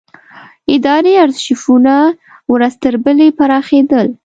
اداري ارشیفونه ورځ تر بلې پراخېدل.